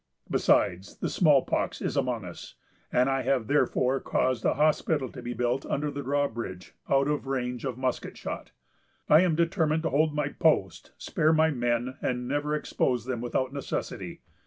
Besides, the small pox is among us; and I have therefore caused a hospital to be built under the drawbridge, out of range of musket shot.... I am determined to hold my post, spare my men, and never expose them without necessity.